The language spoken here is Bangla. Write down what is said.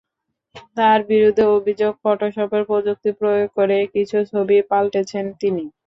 তাঁর বিরুদ্ধে অভিযোগ, ফটোশপের প্রযুক্তি প্রয়োগ করে কিছু ছবি পাল্টেছেন তিনি।